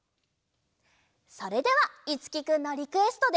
それではいつきくんのリクエストで。